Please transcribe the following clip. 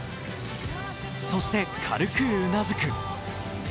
そして軽くうなずく。